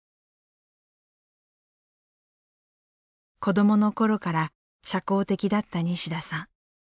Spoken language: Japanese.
子どものころから社交的だった西田さん。